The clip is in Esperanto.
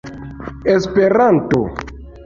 esperanto